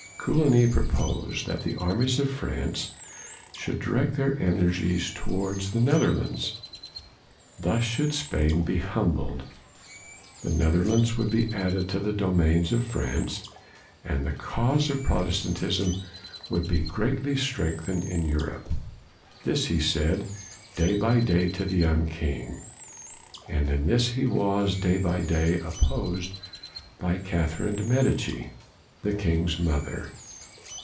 Coligny proposed that the armies of France should direct their energies to wards the Netherlands. Thus should Spain be humbled; the Netherlands would be added to the domains of France; and the cause of Protestantism would be greatly strengthened in Europe. This he said, day by day, to the young king. And in this he was day by day opposed by Cath erine de' Medici, the king's mother.